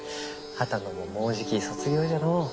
波多野ももうじき卒業じゃのう。